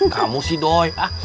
kamu sih doi